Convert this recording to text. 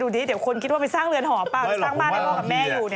ดูดีดีเดี๋ยวคนคิดว่าไปสร้างเรือนหอเปล่าสร้างบ้านได้ว่ากับแม่หนูเนี่ย